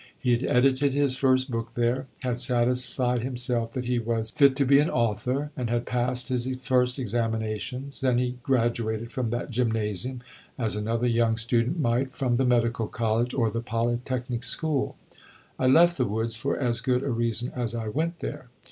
He had edited his first book there; had satisfied himself that he was fit to be an author, and had passed his first examinations; then he graduated from that gymnasium as another young student might from the medical college or the polytechnic school. "I left the woods for as good a reason as I went there."